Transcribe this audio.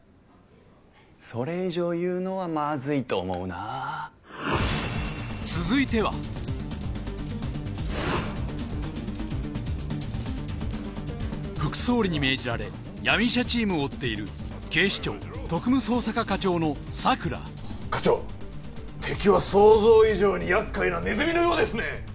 それ以上言うのはまずいと思うな続いては副総理に命じられ闇医者チームを追っている警視庁特務捜査課課長の佐倉課長敵は想像以上に厄介なネズミのようですね